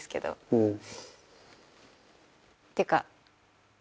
うん。